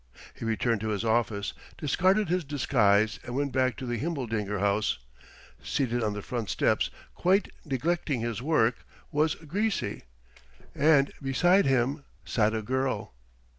He returned to his office, discarded his disguise, and went back to the Himmeldinger house. Seated on the front steps, quite neglecting his work, was Greasy, and beside him sat a girl.